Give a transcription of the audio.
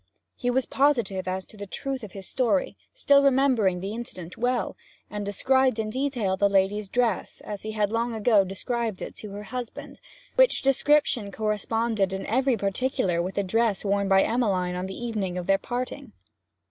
He was positive as to the truth of his story, still remembering the incident well, and he described in detail the lady's dress, as he had long ago described it to her husband, which description corresponded in every particular with the dress worn by Emmeline on the evening of their parting.